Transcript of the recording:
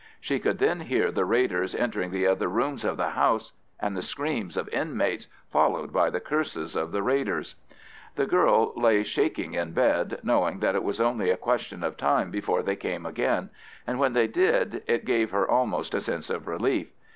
She could then hear the raiders entering the other rooms of the house, and the screams of inmates, followed by the curses of the raiders. The girl lay shaking in bed, knowing that it was only a question of time before they came again, and when they did it gave her almost a sense of relief.